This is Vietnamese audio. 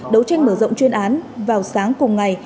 đấu tranh mở rộng chuyên án vào sáng cùng ngày